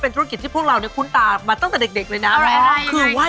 เป็นธุรกิจอาชีพหลักเลยก็ได้